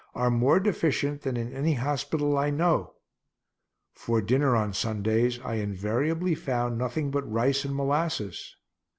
are more deficient than in any hospital I know. For dinner on Sundays I invariably found nothing but rice and molasses.